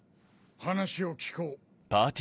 話を聞こう。